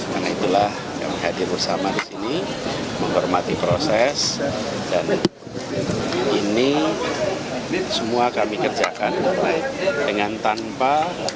karena itulah kami hadir bersama di sini menghormati proses dan ini semua kami kerjakan dengan tanpa